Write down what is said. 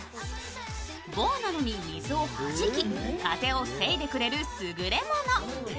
ボアなのに水をはじき、風を防いでくれるすぐれもの。